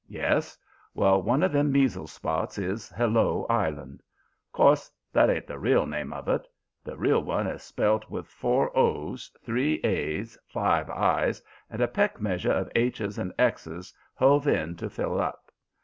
Yes; well, one of them measle spots is Hello Island. "'Course that ain't the real name of it. The real one is spelt with four o's, three a's, five i's, and a peck measure of h's and x's hove in to fill up.